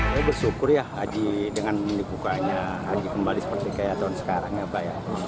saya bersyukur ya haji dengan dibukanya haji kembali seperti kayak tahun sekarang ya pak ya